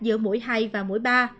giữa mũi hai và mũi ba